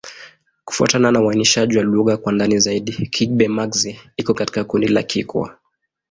Kufuatana na uainishaji wa lugha kwa ndani zaidi, Kigbe-Maxi iko katika kundi la Kikwa.